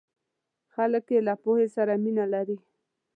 خلک یې له پوهې سره مینه لري.